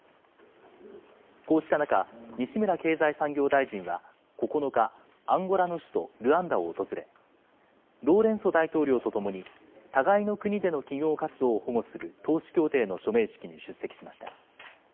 こうした中、西村経済産業大臣は９日、アンゴラの首都ルアンダを訪れ、ロウレンソ大統領と共に、互いの国での企業活動を保護する投資協定の署名式に出席しました。